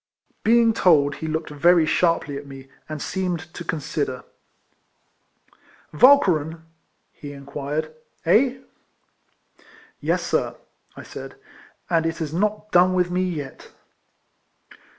Being told, he looked very sharply at me, and seemed to consider. " AYalcheren," he inquired, " eh? "" Yes, sir," I said, " and it has not done with me yet."